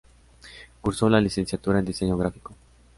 Cursó la Licenciatura en Diseño gráfico.